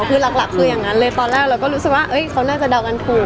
คือหลักคืออย่างนั้นเลยตอนแรกเราก็รู้สึกว่าเขาน่าจะเดากันถูก